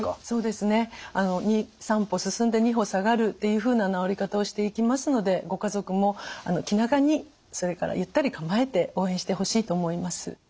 そうですね３歩進んで２歩下がるっていうふうな治り方をしていきますのでご家族も気長にそれからゆったり構えて応援してほしいと思います。